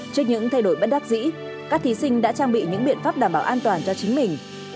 trước những thay đổi bất đắc dĩ các thí sinh đã trang bị những biện pháp đảm bảo an toàn cho chính mình